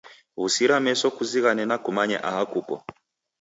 W'usira meso kuzighane na kumanye aha kuko.